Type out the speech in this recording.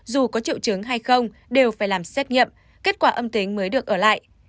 dù có triệu chứng hay không đều phải làm xét nghiệm kết quả âm tính mới được ở lại